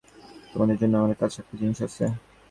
তোমাদের জন্য আমার কাছে একটা জিনিস আছে।